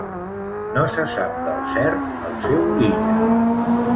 No se sap del cert el seu origen.